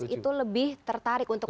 itu lebih tertarik untuk mendalami politik ya